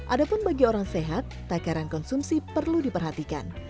adapun bagi orang sehat takaran konsumsi perlu diperhatikan